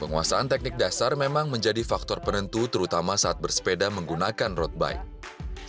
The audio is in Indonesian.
penguasaan teknik dasar memang menjadi faktor penentu terutama saat bersepeda menggunakan road bike